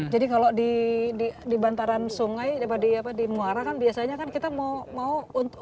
kalau di bantaran sungai di muara kan biasanya kan kita mau